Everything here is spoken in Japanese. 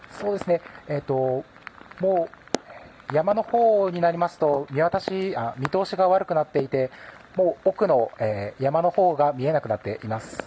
山のほうになりますと見通しが悪くなっていてもう、奥の山のほうが見えなくなっています。